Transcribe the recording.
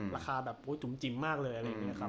ราคาจุ้มจิ้มมากเลย